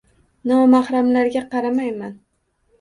— Nomahramlarga qaramayman!